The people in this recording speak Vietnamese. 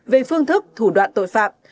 về phương thức thủ đoạn tội phạm